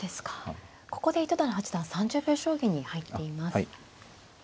ここで糸谷八段３０秒将棋に入っています。